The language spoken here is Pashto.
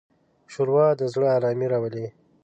ښوروا د زړه ارامي راولي.